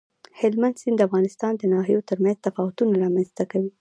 هلمند سیند د افغانستان د ناحیو ترمنځ تفاوتونه رامنځ ته کوي.